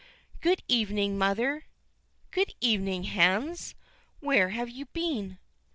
"Good evening, mother." "Good evening, Hans. Where have you been?"